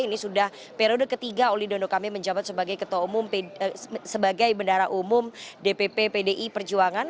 ini sudah periode ketiga oli dondokambe menjabat sebagai ketua umum sebagai bendara umum dpp pdi perjuangan